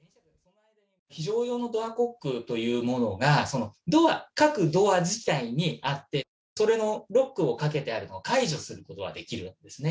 非常用のドアコックというものが、各ドア自体にあって、それのロックをかけてあるのを解除することはできるんですね。